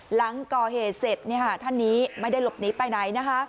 หลังก่อเหตุเสร็จท่านนี้ไม่ได้หลบหนีไปไหนนะคะ